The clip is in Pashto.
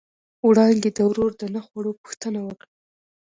وړانګې د ورور د نه خوړو پوښتنه وکړه.